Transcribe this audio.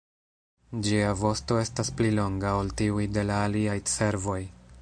Ĝia vosto estas pli longa ol tiuj de la aliaj cervoj.